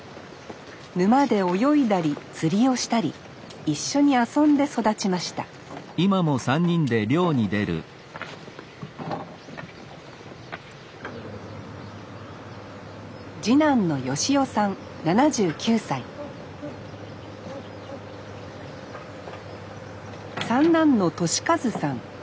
沼で泳いだり釣りをしたり一緒に遊んで育ちました次男の芳夫さん７９歳三男の利一さん